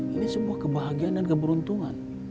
ini sebuah kebahagiaan dan keberuntungan